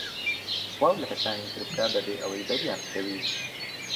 سڵاو لە کەسانی تر بکە بەبێ ئەوەی بەریان بکەویت.